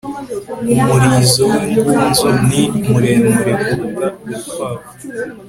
umurizo w'ingunzu ni muremure kuruta urukwavu